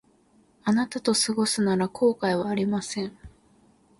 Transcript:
あなたと過ごすなら後悔はありません